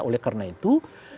oleh karena itu